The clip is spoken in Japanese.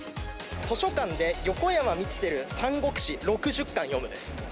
図書館で横山光輝、三国志６０巻読むです。